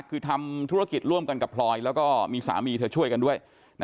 คือทำธุรกิจร่วมกันกับพลอยแล้วก็มีสามีเธอช่วยกันด้วย